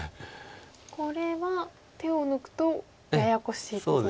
これは手を抜くとややこしいことに。